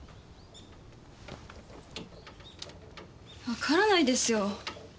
わからないですよ。